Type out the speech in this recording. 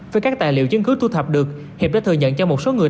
với các tài liệu chứng cứ thu thập được hiệp đã thừa nhận cho một số người